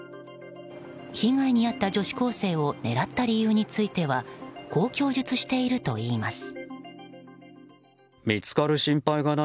被害に遭った女子高生を狙った理由についてはこう供述しているといいます。